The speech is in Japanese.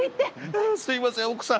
ああすいません奥さん。